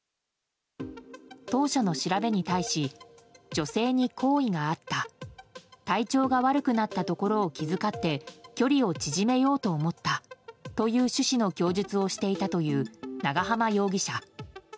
当初の調べに対し女性に好意があった体調が悪くなったところを気遣って距離を縮めようと思ったという趣旨の供述をしていたという長浜容疑者。